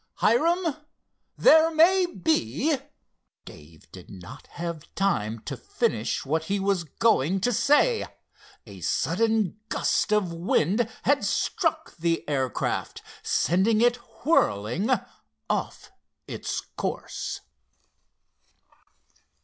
Hiram, there may be——" Dave did not have time to finish what he was going to say. A sudden gust of wind had struck the air craft, sending it whirling off its course.